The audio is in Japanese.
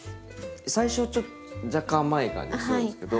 最初はちょっと若干甘い感じがするんですけど。